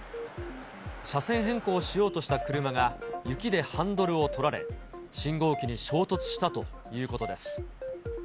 車線変更しようとした車が雪でハンドルを取られ、信号機に衝突したということです。